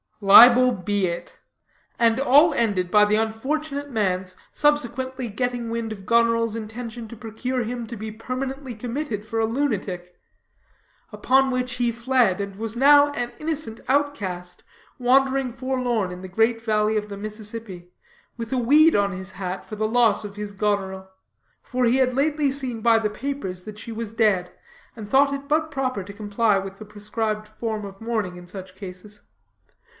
Libel be it. And all ended by the unfortunate man's subsequently getting wind of Goneril's intention to procure him to be permanently committed for a lunatic. Upon which he fled, and was now an innocent outcast, wandering forlorn in the great valley of the Mississippi, with a weed on his hat for the loss of his Goneril; for he had lately seen by the papers that she was dead, and thought it but proper to comply with the prescribed form of mourning in such cases.